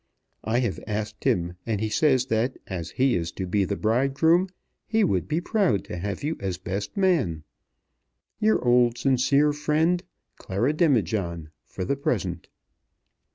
I have asked him, and he says that as he is to be the bridegroom he would be proud to have you as best man. Your old sincere friend, CLARA DEMIJOHN, for the present.